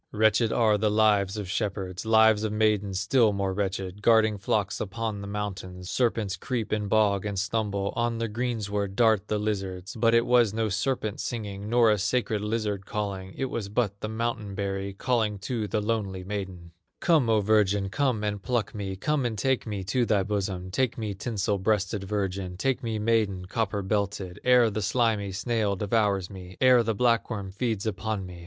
Wretched are the lives of shepherds, Lives of maidens still more wretched, Guarding flocks upon the mountains; Serpents creep in bog and stubble, On the greensward dart the lizards; But it was no serpent singing, Nor a sacred lizard calling, It was but the mountain berry Calling to the lonely maiden: "Come, O virgin, come and pluck me, Come and take me to thy bosom, Take me, tinsel breasted virgin, Take me, maiden, copper belted, Ere the slimy snail devours me, Ere the black worm feeds upon me.